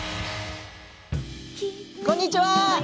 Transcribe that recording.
こんにちは。